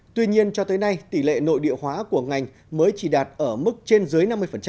tuy nhiên cho tới nay tỷ lệ nội địa hóa của ngành mới chỉ đạt ở mức trên dưới năm mươi